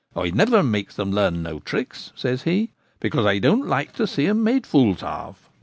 ' I never makes them learn no tricks,' says he, ' because I don't like to see 'em made fools of.'